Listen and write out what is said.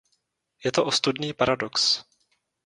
Je to ostudný paradox.